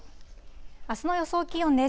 あすの予想気温です。